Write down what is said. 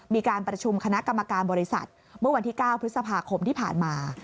มีการประชุมคณะกรรมการบริษัทเมื่อวันที่๙พฤษภาคมที่ผ่านมา